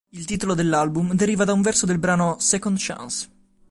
Il titolo dell'album deriva da un verso del brano "Second Chance".